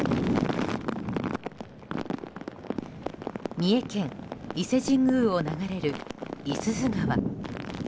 三重県伊勢神宮を流れる五十鈴川。